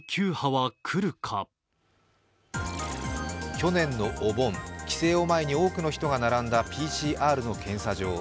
去年のお盆帰省を前に多くの人が並んだＰＣＲの検査場。